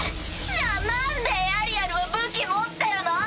じゃあなんでエアリアルは武器持ってるの？